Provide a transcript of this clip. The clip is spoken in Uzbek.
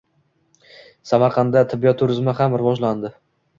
Samarqandda tibbiyot turizmi ham rivojlanadi